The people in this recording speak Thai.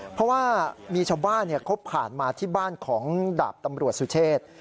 เพราะว่ามีชาวบ้านเขาผ่านมาที่บ้านของดาบตำรวจสุเชษ